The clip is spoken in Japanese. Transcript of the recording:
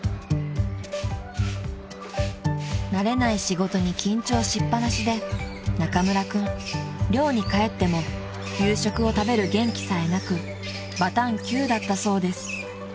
［慣れない仕事に緊張しっぱなしで中村君寮に帰っても夕食を食べる元気さえなくバタンキューだったそうです］